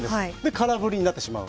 空振りになってしまう。